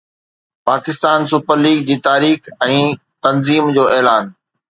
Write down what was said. Pakistan super league جي تاريخ ۽ تنظيم جو اعلان